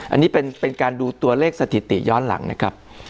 อันนี้เป็นการดูตัวเลขสถิติย้อนหลังนะครับ